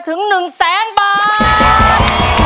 ถึง๑๐๐บาท